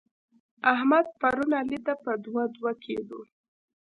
احمد؛ پرون علي ته په دوه دوه کېدو.